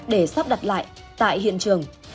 để sắp đặt lại tại hiện trường